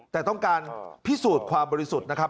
แต่ต้องการพิสูจน์ความบริสุทธิ์นะครับ